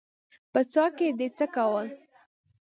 _په څاه کې دې څه کول؟